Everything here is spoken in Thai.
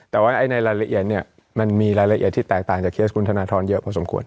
แต่ว่าในรายละเอียดเนี่ยมันมีรายละเอียดที่แตกต่างจากเคสคุณธนทรเยอะพอสมควร